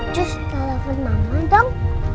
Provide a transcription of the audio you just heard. cus telfon mama dong